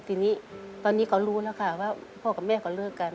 ทีนี้ตอนนี้เขารู้แล้วค่ะว่าพ่อกับแม่เขาเลิกกัน